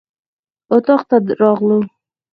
اطاق ته راغلو.